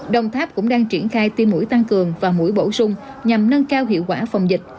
đồng tháp cũng đang triển khai tiêm mũi tăng cường và mũi bổ sung nhằm nâng cao hiệu quả phòng dịch